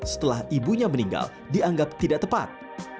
setelah ibunya meninggal dianggap tidak tepat